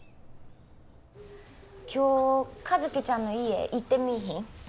今日和希ちゃんの家行ってみいひん？